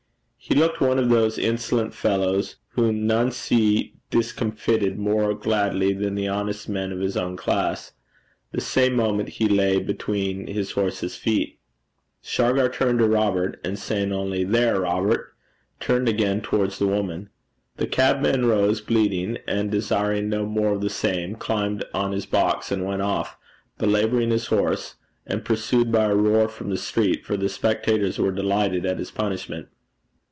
He looked one of those insolent fellows whom none see discomfited more gladly than the honest men of his own class. The same moment he lay between his horse's feet. Shargar turned to Robert, and saying only, 'There, Robert!' turned again towards the woman. The cabman rose bleeding, and, desiring no more of the same, climbed on his box, and went off, belabouring his horse, and pursued by a roar from the street, for the spectators were delighted at his punishment.